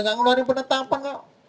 nggak ngeluarin penetapan